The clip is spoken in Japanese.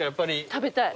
食べたい。